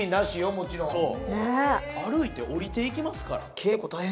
もちろん歩いて下りていきますからあっ